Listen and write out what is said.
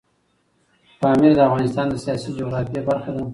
پامیر د افغانستان د سیاسي جغرافیه برخه ده.